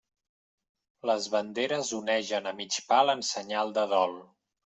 Les banderes onegen a mig pal en senyal de dol.